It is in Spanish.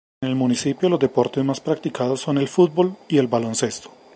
En el municipio los deportes más practicados son el fútbol y el baloncesto.